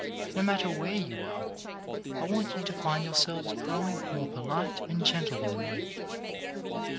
No matter where you are, I want you to find your selves growing more polite and gentlemanly.